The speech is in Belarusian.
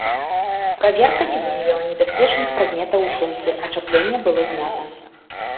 Праверка не выявіла небяспечных прадметаў у сумцы, ачапленне было знята.